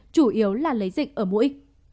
chủ yếu là lấy dịch ở mũi